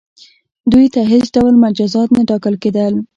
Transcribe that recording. دوی ته هیڅ ډول مجازات نه ټاکل کیدل.